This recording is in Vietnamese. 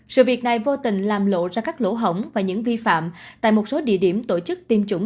sự việc này vô tình làm lộ ra các lỗ hổng và những vi phạm tại một số địa điểm tổ chức tiêm chủng